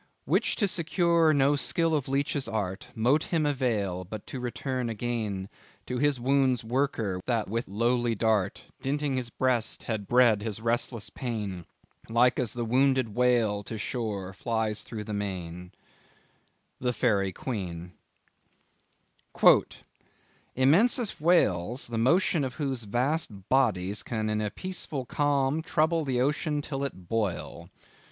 "Which to secure, no skill of leach's art Mote him availle, but to returne againe To his wound's worker, that with lowly dart, Dinting his breast, had bred his restless paine, Like as the wounded whale to shore flies thro' the maine." —The Fairie Queen. "Immense as whales, the motion of whose vast bodies can in a peaceful calm trouble the ocean till it boil."